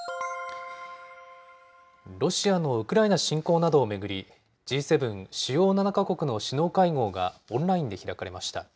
ロシアのウクライナ侵攻などを巡り、Ｇ７・主要７か国の首脳会合がオンラインで開かれました。